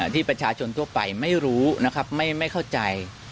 ที่ประชาชนทั่วไปไม่รู้นะครับไม่เข้าใจ